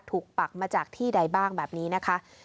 ปักมาจากที่ใดบ้างแบบนี้นะคะ